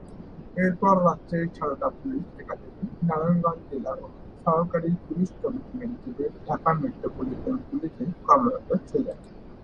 এরপর রাজশাহীর Sarda police academy, Narayanganj জেলা ও সহকারী পুলিশ কমিশনার হিসেবে ঢাকা মেট্রোপলিটন পুলিশ এ কর্মরত ছিলেন।